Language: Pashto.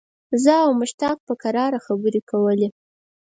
زه او مشتاق په کراره خبرې کولې.